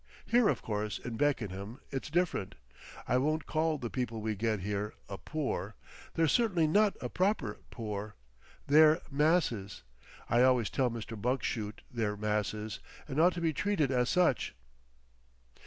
Here of course in Beckenham it's different. I won't call the people we get here a Poor—they're certainly not a proper Poor. They're Masses. I always tell Mr. Bugshoot they're Masses, and ought to be treated as such."...